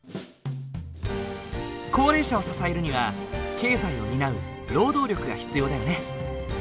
高齢者を支えるには経済を担う労働力が必要だよね。